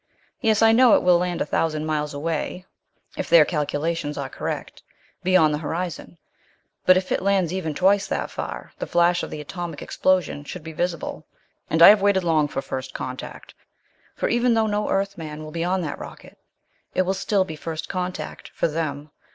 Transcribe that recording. Yes, I know, it will land a thousand miles away, if their calculations are correct. Beyond the horizon. But if it lands even twice that far the flash of the atomic explosion should be visible. And I have waited long for first contact. For even though no Earthman will be on that rocket, it will still be first contact for them.